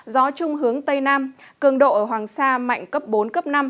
gió trung hướng tây nam cường độ ở hoàng sa mạnh cấp bốn cấp năm